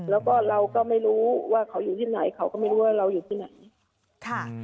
แล้วก็เราก็ไม่รู้ว่าเขาอยู่ที่ไหนเขาก็ไม่รู้ว่าเราอยู่ที่ไหนค่ะ